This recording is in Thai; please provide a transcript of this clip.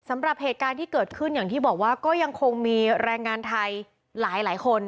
สำหรับเหตุการณ์ที่เกิดขึ้นอย่างที่บอกว่าก็ยังคงมีแรงงานไทยหลายคน